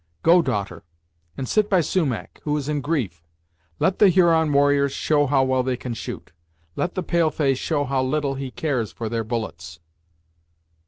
Go, daughter, and sit by Sumach, who is in grief; let the Huron warriors show how well they can shoot; let the pale face show how little he cares for their bullets."